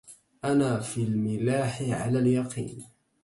أنا في الملاح على اليقين